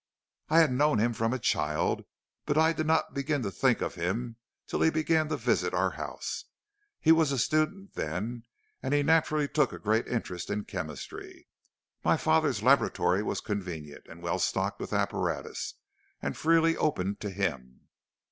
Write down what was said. "I had known him from a child, but I did not begin to think of him till he began to visit our house. He was a student then, and he naturally took a great interest in chemistry. My father's laboratory was convenient, well stocked with apparatus, and freely opened to him.